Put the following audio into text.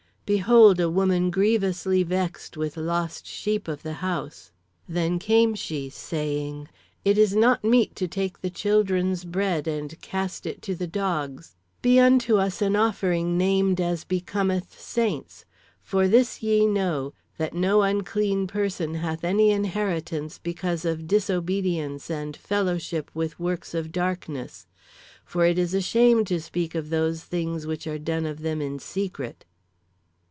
"Behold a woman grievously vexed with lost sheep of the house. "Then came she, saying: 'It is not mete to take the children's bread and to cast it to the dogs. Be unto, us an offering named as becometh saints. For this ye know, that no unclean person hath any inheritance because of disobedience and fellowship with works of darkness. For it is a shame to speak of those things which are done of them in secret.'